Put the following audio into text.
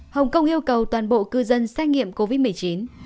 hồng kông yêu cầu toàn bộ cư dân xét nghiệm covid một mươi chín